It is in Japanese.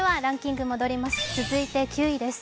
続いて９位です。